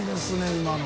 今の。